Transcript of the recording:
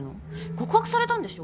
告白されたんでしょ？